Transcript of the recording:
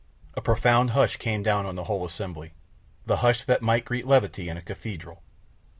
A profound hush came down on the whole assembly, the hush that might greet levity in a cathedral.